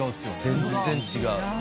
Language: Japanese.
全然違う。